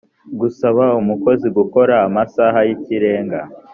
gusaba umukozi gukora amasaha y ikirenga